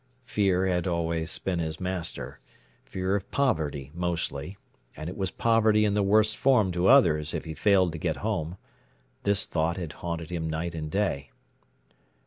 Fear had always been his master fear of poverty mostly and it was poverty in the worst form to others if he failed to get home. This thought had haunted him night and day.